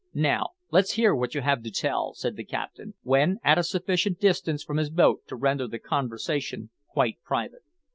Now, let's hear what you have to tell," said the captain, when at a sufficient distance from his boat to render the conversation quite private.